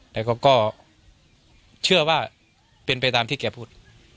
แต่เขาก็เชื่อว่าเป็นไปตามที่แกพูด